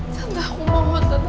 tante aku mohon tante